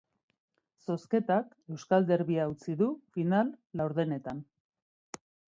Zozketak euskal derbia utzi du final-laurdenetan.